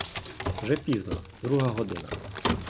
Вже пізно, друга година.